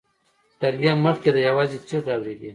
تر دې مخکې ده يوازې چيغې اورېدې.